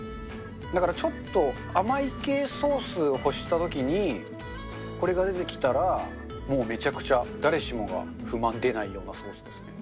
だからちょっと甘い系ソースを欲したときに、これが出てきたら、もうめちゃくちゃ、誰しもが不満出ないようなソースですね。